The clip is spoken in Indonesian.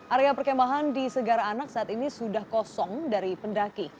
area perkemahan di segara anak saat ini sudah kosong dari pendaki